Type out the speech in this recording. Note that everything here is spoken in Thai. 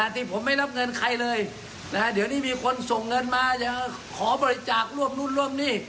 ที่ผมไม่รับเงินใครเลยเดี๋ยวนี้มีคนส่งเงินมาจะขอบริจาคร่วมนู่นร่วมนี่